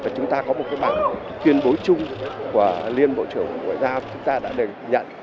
và chúng ta có một cái bảng tuyên bố chung của liên bộ trưởng bộ ngoại giao chúng ta đã được nhận